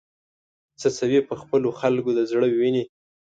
څڅوې په خپلو خلکو د زړه وینې